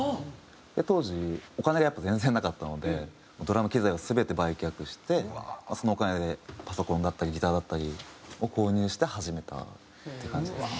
当時お金がやっぱ全然なかったのでドラム機材を全て売却してそのお金でパソコンだったりギターだったりを購入して始めたって感じですね。